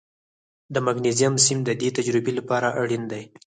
د مګنیزیم سیم د دې تجربې لپاره اړین دی.